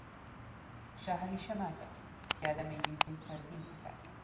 شا هەمیشە ماتە، پیادە مەیلی جێی فەرزین ئەکا